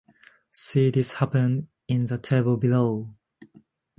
See this happen in the table below.